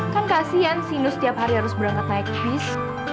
kan kasian sinu setiap hari harus berangkat naik bis